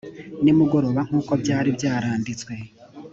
nimugoroba nk’ uko byari byaranditswe